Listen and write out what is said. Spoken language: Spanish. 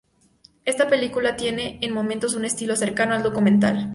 Esta película tiene en momentos un estilo cercano al documental.